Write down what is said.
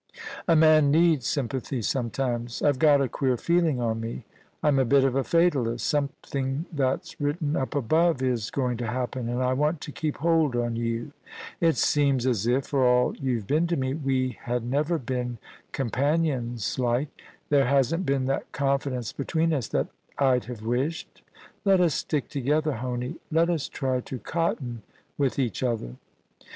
A man needs sympathy sometimes, I've got a queer feeling on me. I'm a bit of a fatalist Something that's written up above is going to happen, and I want to keep hold on you ! It seems as if — for all you've been to me — we had never been com panions like ; there hasn't been that confidence between us that I'd have wished. Let us stick together, Honie. Let us try to cotton with each other.'